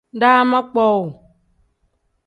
Daama kpowuu.